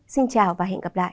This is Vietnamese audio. xin chào và hẹn gặp lại